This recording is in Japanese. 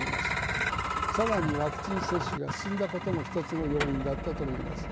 更にワクチン接種が進んだことも一つの要因だったと思います。